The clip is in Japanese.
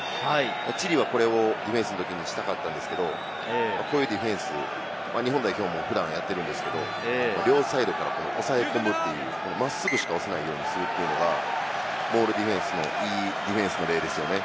チリはこれをディフェンスのときにしたかったんですけれども、こういうディフェンス、日本代表も普段やってるんですけど、両サイドからおさえ込むという真っすぐしか押せないようにするというのがモールディフェンスのいいディフェンスの例です。